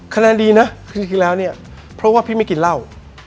คะแนนดีนะจริงแล้วเนี่ยเพราะว่าพี่ไม่กินเหล้า